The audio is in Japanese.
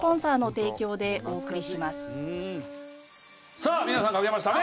さあ皆さん書けましたね。